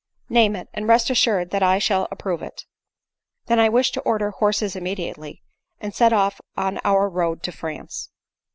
" Name it ; and rest assured that I shall approve it." " Then I wish to order horses immediately, and set off on our road to France."